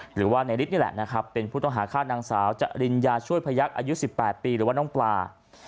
หรือว่าในฤทธินี่แหละนะครับเป็นผู้ต้องหาฆ่านางสาวจริญญาช่วยพยักษ์อายุ๑๘ปีหรือว่าน้องปลา